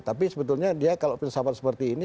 tapi sebetulnya dia kalau filsafat seperti ini